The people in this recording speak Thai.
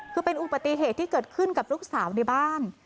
คือเป็นอุปติเหตุที่เกิดขึ้นกับลูกสาวในบ้าน